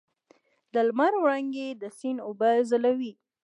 د لمر وړانګې د سیند اوبه ځلوي.